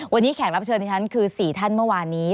วันนี้แขกรับเชิญที่ฉันคือ๔ท่านเมื่อวานนี้